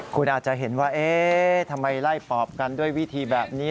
คุณอาจจะเห็นว่าเอ๊ะทำไมไล่ปอบกันด้วยวิธีแบบนี้